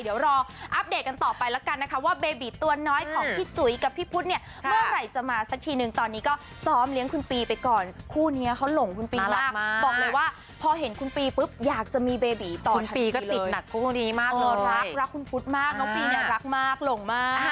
เดี๋ยวรออัพเดทกันต่อไปแล้วกันนะคะว่าเบบีตัวน้อยของพี่จุ้ยกับพี่พุธเมื่อไหร่จะมาซักทีนึง